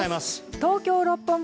東京・六本木